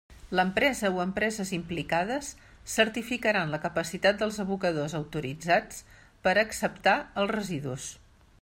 L'empresa o empreses implicades certificaran la capacitat dels abocadors autoritzats per a acceptar els residus.